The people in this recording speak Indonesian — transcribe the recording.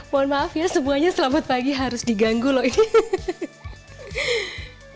mohon maaf ya semuanya selamat pagi harus diganggu loh ini